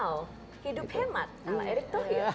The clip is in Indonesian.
wow hidup hemat kalau erik toher